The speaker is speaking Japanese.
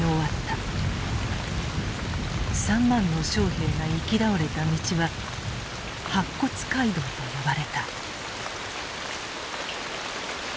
３万の将兵が行き倒れた道は白骨街道と呼ばれた。